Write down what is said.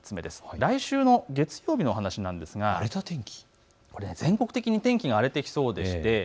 来週の月曜日の話なんですが全国的に天気が荒れてきそうです。